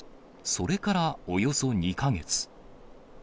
それから、およそ２か月。